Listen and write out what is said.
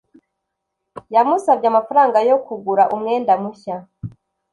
yamusabye amafaranga yo kugura umwenda mushya